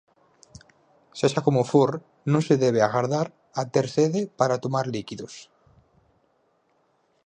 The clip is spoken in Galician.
Sexa como for, non se debe agardar a ter sede para tomar líquidos.